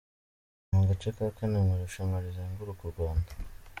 Ni agace ka kane mu irushanwa rizenguruka u Rwanda.